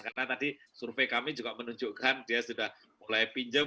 karena tadi survei kami juga menunjukkan dia sudah mulai pinjam